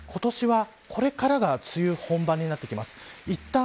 今年は、これからが梅雨本番になってきます。